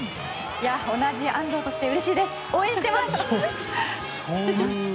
同じ安藤としてうれしいです応援してます！